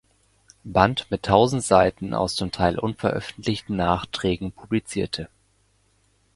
Band mit tausend Seiten aus zum Teil unveröffentlichten Nachträgen publizierte.